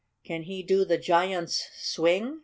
"Can he do the giant's swing?"